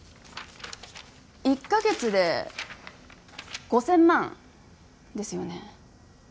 １カ月で５０００万ですよね？